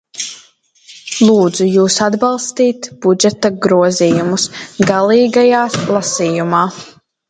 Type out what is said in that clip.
Lūdzu jūs atbalstīt budžeta grozījumus galīgajā lasījumā!